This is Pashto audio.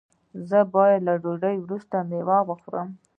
ایا زه باید له ډوډۍ وروسته میوه وخورم؟